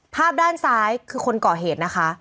ภาพด้านซ้ายคือคนก่อเหตุนะคะ